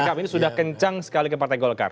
sikap ini sudah kencang sekali ke partai golkar